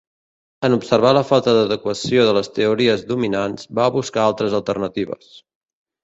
En observar la falta d'adequació de les teories dominants, va buscar altres alternatives.